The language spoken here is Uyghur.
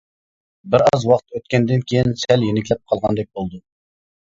بىر ئاز ۋاقىت ئۆتكەندىن كېيىن سەل يېنىكلەپ قالغاندەك بولدۇم.